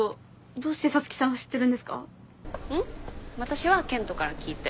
私は健人から聞いて。